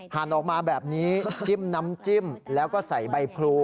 หันออกมาแบบนี้จิ้มน้ำจิ้มแล้วก็ใส่ใบพลู